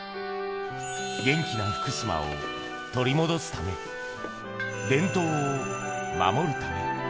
元気な福島を取り戻すため、伝統を守るため。